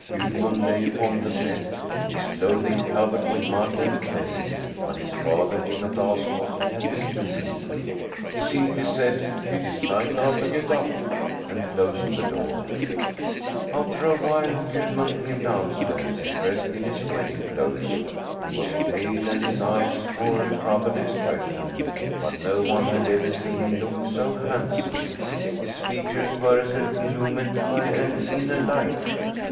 Gudmund lay upon the bed, his clothing covered with mud and clay, but his father did not ask what he had been doing. He simply said, "It is time now to get up," and closed the door. After a while Gudmund came down stairs, dressed in his wedding clothes. He was pale, and his eyes wore a troubled expression, but no one had ever seen him look so handsome. His features were as if illumined by an inner light.